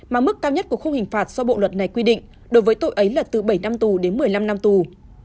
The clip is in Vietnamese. mà mức cao nhất của khung hình phạt do bộ luật này quy định đối với tội ấy là từ bảy năm tù đến một mươi năm năm tù